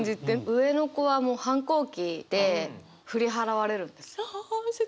上の子はもう反抗期で振り払われるんです。